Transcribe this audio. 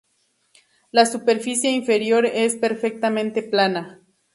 La superficie inferior es perfectamente plana.